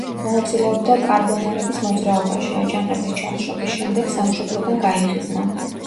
მონაწილეობდა კარბონარების მოძრაობაში, აჯანყების ჩახშობის შემდეგ სამშობლოდან გაიხიზნა.